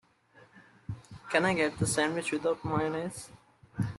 Can I get the sandwich without mayonnaise?